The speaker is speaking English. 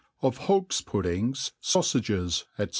Of HOGS PUDDINGS, SAUSAGES, &e.